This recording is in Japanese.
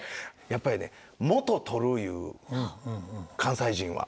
やっぱりね「元取る」いう関西人は。